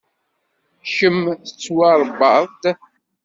Kemm tettwaṛebbaḍ-d.